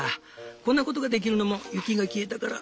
こんなことができるのも雪が消えたから。